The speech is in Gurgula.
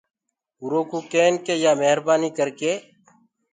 اورو ڪوُ ڪين ڪي يآ مهربآنيٚ ڪر ڪي۔